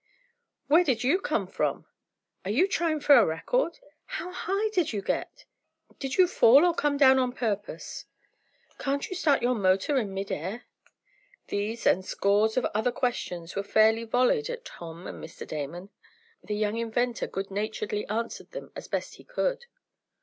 "Where did you come from?" "Are you trying for a record?" "How high did you get?" "Did you fall, or come down on purpose?" "Can't you start your motor in mid air?" These, and scores of other questions were fairly volleyed at Tom and Mr. Damon. The young inventor good naturedly answered them as best he could.